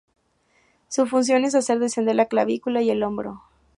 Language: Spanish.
Su función es hacer descender la clavícula y el hombro.